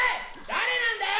誰なんだよ！